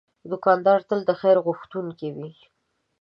دوکاندار تل د خیر غوښتونکی وي.